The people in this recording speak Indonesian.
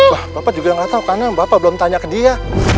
wah bapak juga nggak tahu karena bapak belum tanya ke dia